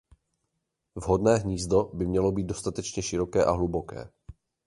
Vhodné hnízdo by mělo být dostatečně široké a hluboké.